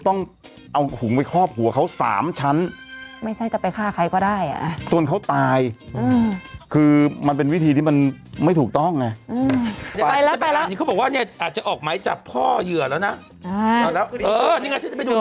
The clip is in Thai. ฮะลูกชายผมเอง